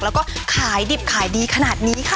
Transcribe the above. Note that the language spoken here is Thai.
แล้วก็ขายดิบขายดีขนาดนี้ค่ะ